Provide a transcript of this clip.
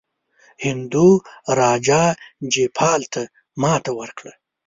هندو راجا جیپال ته ماته ورکړه.